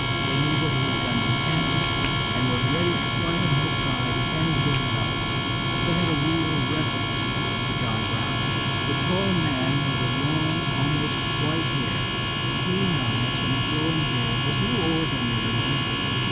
They knew what he had done in Kansas, and were ready to fight on his side anywhere else. They had a real reverence for John Brown. The tall man with the long, almost white hair, keen eyes, and flowing beard was no ordinary leader.